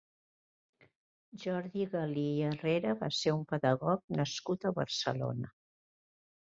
Jordi Galí i Herrera va ser un pedagog nascut a Barcelona.